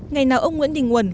ngày nào ông nguyễn đình quẩn